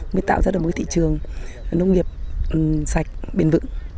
mới tạo ra được một thị trường nông nghiệp sạch bền vững